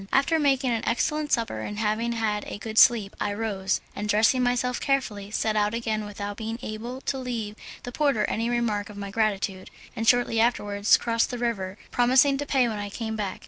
After making an excellent supper and having had a good sleep, I rose, and dressing myself carefully set out again without being able to leave the porter any mark of my gratitude, and shortly afterwards crossed the river, promising to pay when I came back.